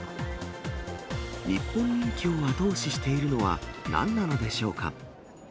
日本人気を後押ししているのは、なんなのでしょうか。